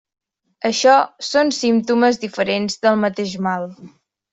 Això són símptomes diferents del mateix mal.